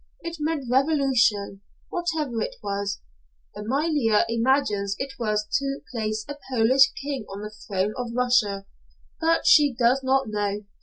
It meant revolution, whatever it was. Amalia imagines it was to place a Polish king on the throne of Russia, but she does not know.